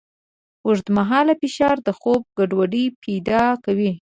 اوږدمهاله فشار د خوب ګډوډۍ پیدا کوي.